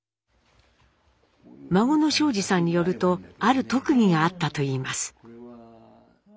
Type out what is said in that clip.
孫の正二さんによるとある特技があったといいます。